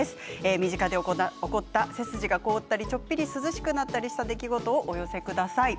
身近で起きた背筋が凍ったりちょっぴり涼しくなったりした出来事をお寄せください。